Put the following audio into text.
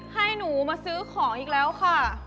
ให้หนูมาซื้อของอีกแล้วค่ะ